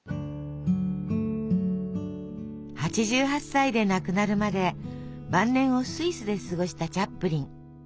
８８歳で亡くなるまで晩年をスイスで過ごしたチャップリン。